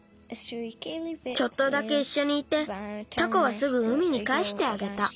ちょっとだけいっしょにいてタコはすぐ海にかえしてあげた。